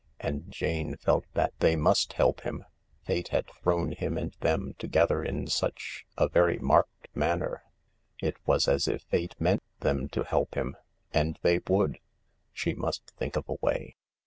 And Jane felt that they must help him. Fate had thrown him and them to gether in such a very marked manner ; it was as if Fate meant them to help him. And they would. She must think of a way.